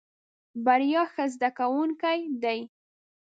بريا ښه زده کوونکی دی.